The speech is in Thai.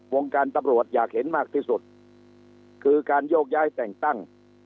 การตำรวจอยากเห็นมากที่สุดคือการโยกย้ายแต่งตั้ง